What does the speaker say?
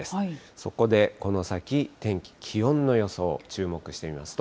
そこで、この先、天気、気温の予想、注目して見ますと。